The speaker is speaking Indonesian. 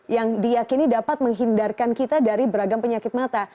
yang diakini dapat menghindarkan kita dari beragam penyakit mata